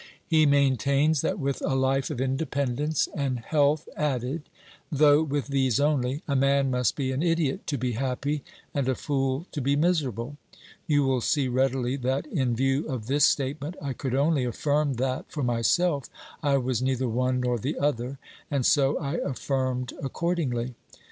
He main tains that with a life of independence and health added, though with these only, a man must be an idiot to be happy, and a fool to be miserable. You will see readily that, in view of this statement, I could only affirm that, for myself, I was neither one nor the other, and so I affirmed accordingly.